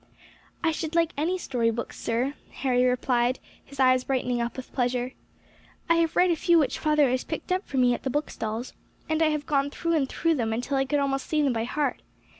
"I should like any story books, sir," Harry replied, his eyes brightening up with pleasure; "I have read a few which father has picked up for me at the bookstalls, and I have gone through and through them until I could almost say them by heart.